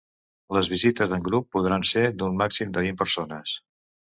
Les visites en grup podran ser d’un màxim de vint persones.